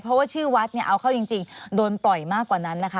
เพราะว่าชื่อวัดเนี่ยเอาเข้าจริงโดนปล่อยมากกว่านั้นนะคะ